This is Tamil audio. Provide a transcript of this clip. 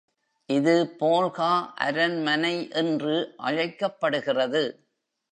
இது போல்கா அரண்மனை என்று அழைக்கப்படுகிறது.